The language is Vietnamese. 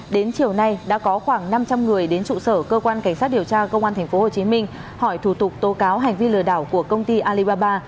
đến chiều nay đã có khoảng năm trăm linh người đến trụ sở cơ quan cảnh sát điều tra công an tp hcm hỏi thủ tục tố cáo hành vi lừa đảo của công ty alibaba